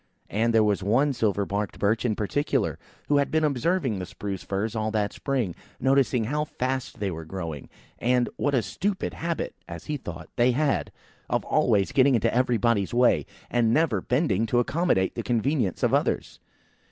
And there was one silver barked Birch in particular, who had been observing the spruce firs all that spring; noticing how fast they were growing, and what a stupid habit (as he thought) they had, of always getting into everybody's way, and never bending to accommodate the convenience of others.